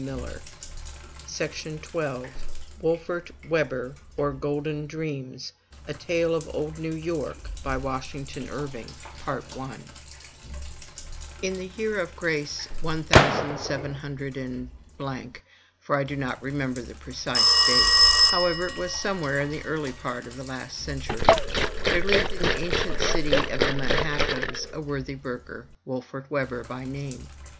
io6 FROM THE TOWER WINDOW WOLFERT WEBBER, OR GOLDEN DREAMS A Tale of Old New York ^J^ ^^c ^^ Washington Irving ^^§fj ''^^^^^^m ^N THE year of grace one thousand seven hundred and blank, for I do not remember the precise date; how ever, it was somewhere in the early part of last century, there lived in the ancient city of the Manhattoes a ^^^^^^^ worthy burgher, Wolfert Webber by name.